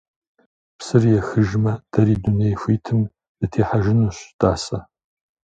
Псыр ехыжмэ, дэри дуней хуитым дытехьэжынущ, тӀасэ!